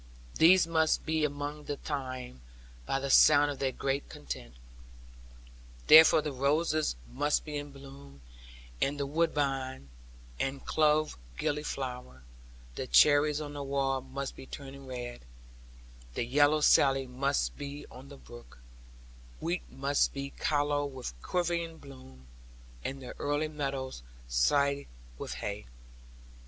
These must be among the thyme, by the sound of their great content. Therefore the roses must be in blossom, and the woodbine, and clove gilly flower; the cherries on the wall must be turning red, the yellow Sally must be on the brook, wheat must be callow with quavering bloom, and the early meadows swathed with hay.